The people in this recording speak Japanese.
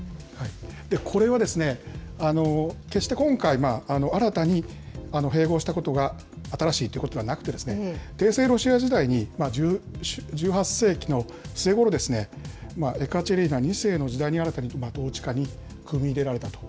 これは決して今回、新たに併合したことが新しいということではなくて、帝政ロシア時代に１８世紀の末ごろ、エカチェリーナ２世の時代に新たに統治下に組み入れられたと。